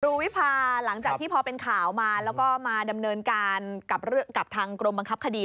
วิพาหลังจากที่พอเป็นข่าวมาแล้วก็มาดำเนินการกับทางกรมบังคับคดี